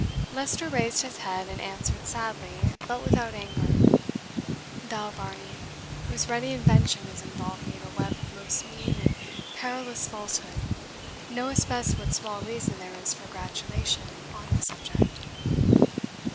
Leicester raised his head, and answered sadly, but without anger, "Thou, Varney, whose ready invention has involved me in a web of most mean and perilous falsehood, knowest best what small reason there is for gratulation on the subject."